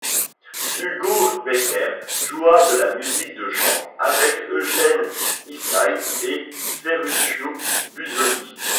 Hugo Becker joua de la musique de chambre avec Eugène Ysaÿe et Ferruccio Busoni.